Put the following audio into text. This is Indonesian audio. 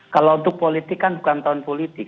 kalau untuk politika bukan tahun politik